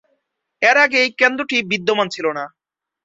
এর আগে এই কেন্দ্রটি বিদ্যমান ছিল না।